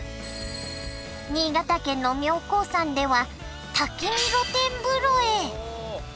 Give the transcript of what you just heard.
新潟県の妙高山では滝見露天風呂へ！